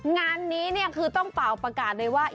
งานนี้เนี่ยคือต้องเป่าประกาศเลยว่า